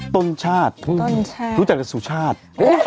ต้นชาติรู้จักกับสุชาติ